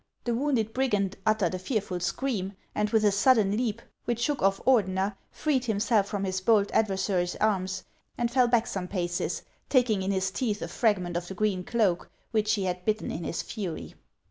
The wounded brigand uttered a fearful scream, and with a sudden leap, which shook oft' Ordener, freed himself from his bold ad versary's arms, and fell back some paces, taking in his teeth a fragment of the green cloak, which he had bitten in his fury.